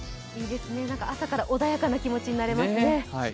朝から穏やかな気持ちになれますね。